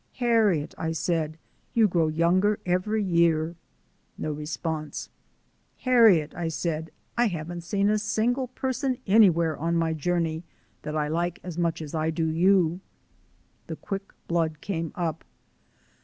"Harriet," I said, "you grow younger every year." No response. "Harriet," I said, "I haven't seen a single person anywhere on my journey that I like as much as I do you." The quick blood came up.